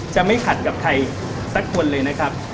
จะไม่ขัดกับใครสักคนเลยนะครับ